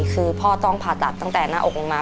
คือพ่อต้องผ่าตัดตั้งแต่หน้าอกลงมา